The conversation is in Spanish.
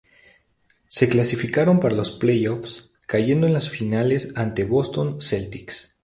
Se clasificaron para los playoffs, cayendo en las finales ante Boston Celtics.